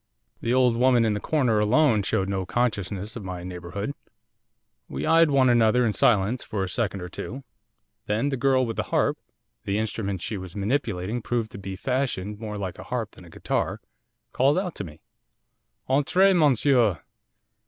The old woman in the corner alone showed no consciousness of my neighbourhood. We eyed one another in silence for a second or two. Then the girl with the harp, the instrument she was manipulating proved to be fashioned more like a harp than a guitar called out to me, '"_Entrez, monsieur!